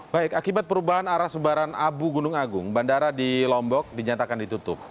baik akibat perubahan arah sebaran abu gunung agung bandara di lombok dinyatakan ditutup